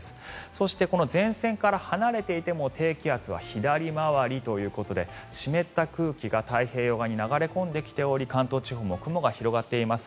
そして、この前線から離れていても低気圧は左回りということで湿った空気が太平洋側に流れ込んできており関東地方も雲が広がっています。